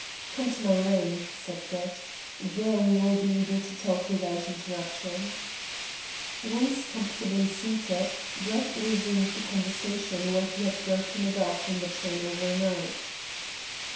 "Come to my room," said Brett. "There we will be able to talk without interruption." Once comfortably seated, Brett resumed the conversation where he had broken it off in the train overnight.